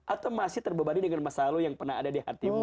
atau masih terbebani dengan masa lalu yang pernah ada di hatimu